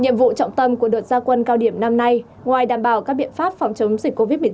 nhiệm vụ trọng tâm của đợt gia quân cao điểm năm nay ngoài đảm bảo các biện pháp phòng chống dịch covid một mươi chín